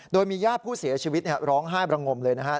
โดยมีญาติผู้เสียชีวิตร้องไห้บรงมเลยนะครับ